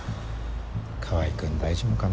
川合君大丈夫かな。